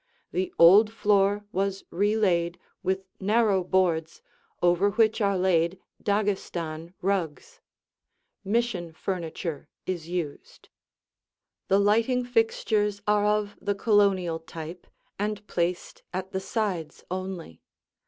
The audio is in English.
The old floor was re laid with narrow boards over which are laid Daghestan rugs; Mission furniture is used. The lighting fixtures are of the Colonial type and placed at the sides only.